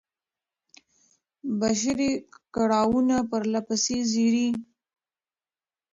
بشري کړاوونه پرله پسې زېږي.